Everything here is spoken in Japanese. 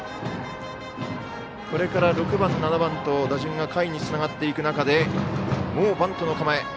これから６番、７番と打順が下位に下がっていく中でもうバントの構え。